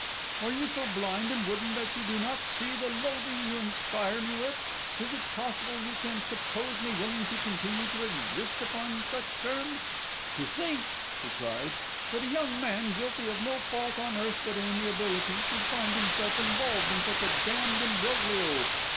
Are you so blind and wooden that you do not see the loathing you inspire me with? Is it possible you can suppose me willing to continue to exist upon such terms? To think,' he cried, 'that a young man, guilty of no fault on earth but amiability, should find himself involved in such a damned imbroglio!